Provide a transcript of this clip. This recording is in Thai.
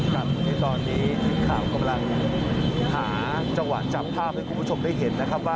หมู่นี้ตอนนี้ทิ้งข่าวกำลังหาจังหวาดจับภาพให้คุณผู้ชมได้เห็นนะครับ